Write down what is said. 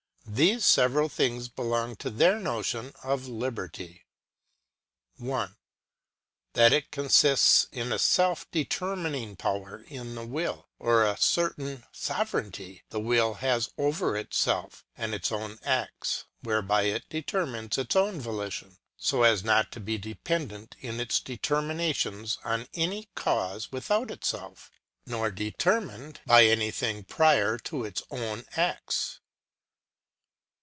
These several things belong to their notion of liberty. 1 . That it consists in a self de termining power in the will, or a certain sovereignly the will has over itself, and its own acts, whereby it deter mines its own volitions ; so as not to be dependent in its determinations on any cause without itself, nor determined 52 THE NOTION OF LIBERTY, PART I. by any thing prior to its own acts.